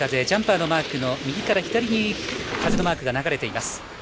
ジャンパーのマークの右から左に風のマークが流れています。